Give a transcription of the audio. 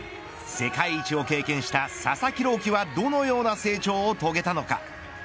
世界一を経験した佐々木朗希はどのような成長を遂げたのか。